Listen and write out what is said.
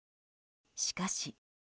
しかし。